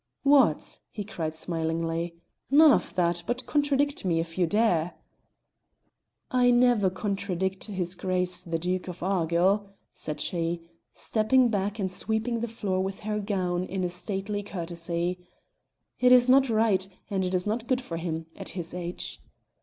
"What!" he cried smilingly, "none of that, but contradict me if you dare." "I never contradict his Grace the Duke of Argyll," said she, stepping back and sweeping the floor with her gown in a stately courtesy; "it is not right, and it is not good for him at his age."